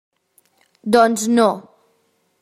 Doncs no.